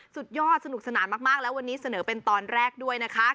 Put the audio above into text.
สุดยอดสนุกสนานมากแล้ววันนี้เสนอเป็นตอนแรกด้วยนะคะ